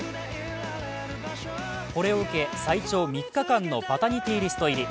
これを受け、最長３日間のパタニティー・リスト入り。